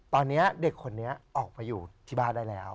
ตอนนี้เด็กคนนี้ออกไปอยู่ที่บ้านได้แล้ว